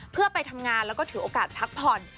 เพื่อไปทำงานแล้วก็ถือโอกาสพักผ่อน